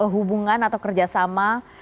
hubungan atau kerjasama